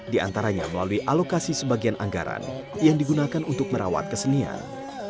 di antaranya melalui alokasi sebagian anggaran yang digunakan untuk merawat kesenian